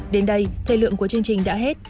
đến đây thời lượng của chương trình đã hết